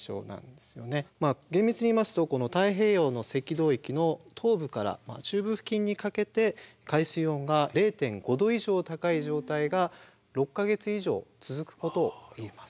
厳密に言いますと太平洋の赤道域の東部から中部付近にかけて海水温が０．５℃以上高い状態が６か月以上続くことをいいます。